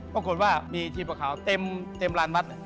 ปรากฏว่ามีทีมประขาวเต็มลานมัด